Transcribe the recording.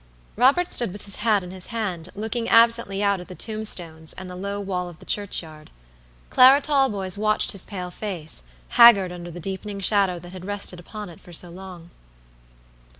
Robert stood with his hat in his hand, looking absently out at the tombstones and the low wall of the church yard. Clara Talboys watched his pale face, haggard under the deepening shadow that had rested upon it so long.